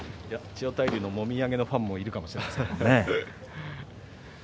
千代大龍のもみあげのファンもいるかもしれませんよね。